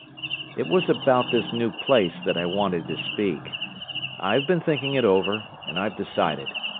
"It was about this new place that I wanted to speak. I've been thinking it over, and I've decided.